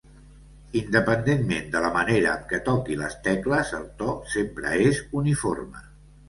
Independentment de la manera amb què toqui les tecles, el to sempre és uniforme.